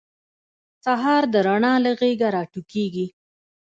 سهار د رڼا له غیږې راټوکېږي.